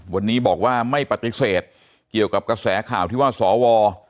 วันนี้บอกว่าไม่ปฏิเสธเกี่ยวกับกระแสข่าวที่ว่าสว